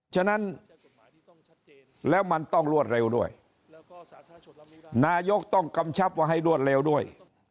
ฉะนั้นแล้วมันต้องรวดเร็วด้วยนายกต้องกำชับว่าให้รวดเร็วด้วย